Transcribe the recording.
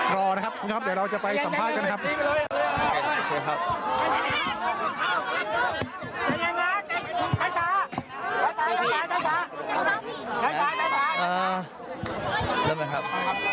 เดี๋ยวเราจะไปสัมภาษณ์กันนะครับ